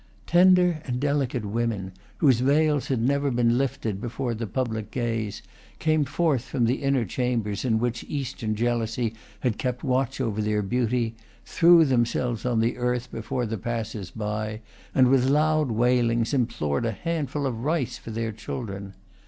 Tender and delicate women, whose veils had never been lifted before the public gaze, came forth from the inner chambers in which Eastern jealousy had kept watch over their beauty, threw themselves on the earth before the passers by, and, with loud wailings, implored a handful of rice for their children.